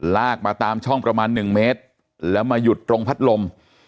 ลากมาตามช่องประมาณ๑เมตรแล้วมาหยุดตรงพัดลม